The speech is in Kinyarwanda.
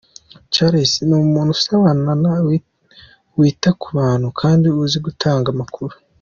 Charles ni umuntu usabana, wita ku bantu kandi uzi gutanga amakuru.